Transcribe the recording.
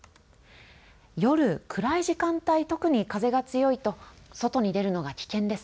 夜、暗い時間帯、特に風が強いと外に出るのが危険です。